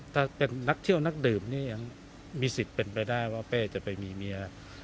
ถ้าเป็นนักเที่ยวนักดื่มนี่ยังมีสิทธิ์เป็นไปได้ว่าเป้จะไปมีเมีย